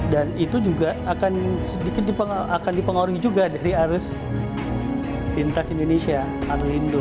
dan itu juga akan dipengaruhi juga dari arus lintas indonesia arlindo